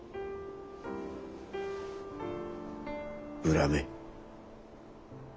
恨め。